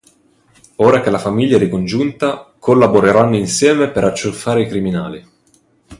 Ora che la famiglia è ricongiunta collaboreranno insieme per acciuffare i criminali.